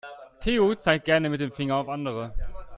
Theo zeigt gerne mit dem Finger auf andere.